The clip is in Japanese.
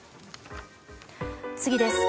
次です。